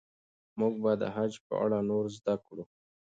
موږ به د خج په اړه نور زده کړو.